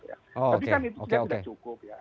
tapi kan itu sudah tidak cukup ya